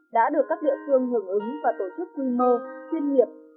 đã được các địa phương hưởng ứng và tổ chức quy mô chuyên nghiệp